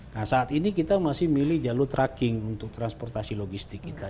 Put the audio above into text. nah saat ini kita masih milih jalur tracking untuk transportasi logistik kita